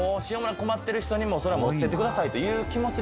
困ってる人にそれは持っていってくださいっていう気持ちで？